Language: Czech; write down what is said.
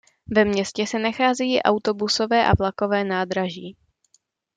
Ve městě se nachází autobusové a vlakové nádraží.